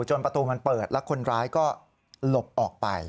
ประตูมันเปิดแล้วคนร้ายก็หลบออกไป